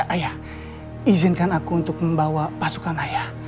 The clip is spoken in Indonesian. ayah izinkan aku untuk membawa pasukan ayah